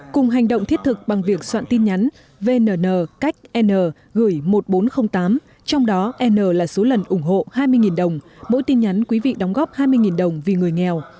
cùng hành động thiết thực bằng việc soạn tin nhắn vnn cách n gửi một nghìn bốn trăm linh tám trong đó n là số lần ủng hộ hai mươi đồng mỗi tin nhắn quý vị đóng góp hai mươi đồng vì người nghèo